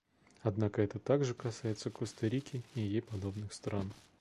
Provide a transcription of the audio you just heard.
Однако это также касается Коста-Рики и ей подобных стран.